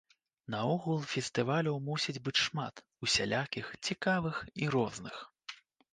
Наогул фестываляў мусіць быць шмат, усялякіх, цікавых і розных.